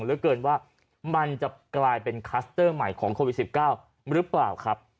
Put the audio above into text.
เหลือเกินว่ามันจะกลายเป็นคลัสเตอร์ใหม่ของโควิด๑๙หรือเปล่าครับ